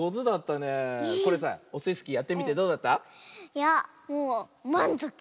いやもうまんぞく。